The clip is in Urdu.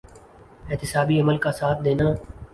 احتسابی عمل کا ساتھ دینا۔